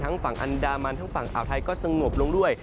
ฝั่งอันดามันทั้งฝั่งอ่าวไทยก็สงบลงด้วย